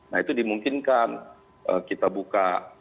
nah itu dimungkinkan kita buka